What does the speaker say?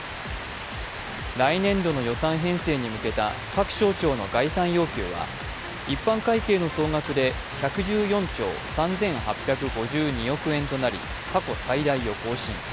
来年度の予算編成に向けた各省庁の概算要求は一般会計の総額で１１４兆３８５２億円となり過去最大を更新。